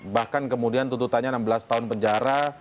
bahkan kemudian tuntutannya enam belas tahun penjara